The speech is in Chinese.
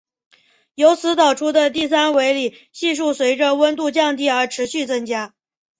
由此导出的第三维里系数随着温度降低而持续增加。